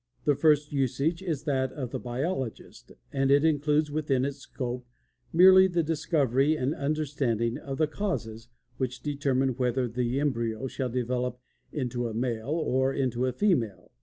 The first usage is that of the biologist, and it includes within its scope merely the discovery and understanding of the CAUSES which determine whether the embryo shall develop into a male or into a female.